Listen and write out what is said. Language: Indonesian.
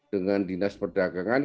dengan dinas perdagangan